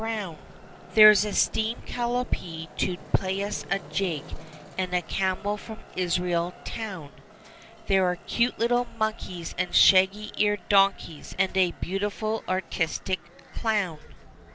183 There's a steam calliope to play us a jig, And a camel from Israel town; There are cute little monkeys and shaggy eared donkeys, And a beautiful, artistic clown.